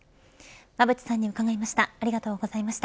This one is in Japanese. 馬渕さんに伺いました。